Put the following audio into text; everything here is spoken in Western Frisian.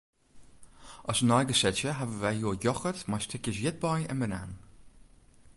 As neigesetsje hawwe wy hjoed yochert mei stikjes ierdbei en banaan.